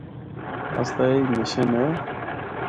اسدا ایہی مشن اے۔